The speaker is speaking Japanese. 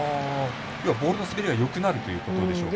ボールのスピードがよくなるということでしょうか。